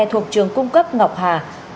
thuộc trường cung cấp ngọc hà